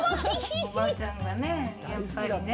おばあちゃんがね、やっぱりね。